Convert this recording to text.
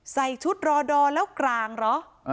ใส่ชุดรอดอแล้วกลางเหรอ